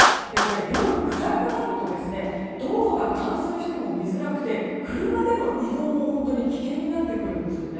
夜、暗くなると道路が冠水しても見づらくて車での移動も本当に危険になってくるんです。